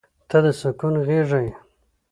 • ته د سکون غېږه یې.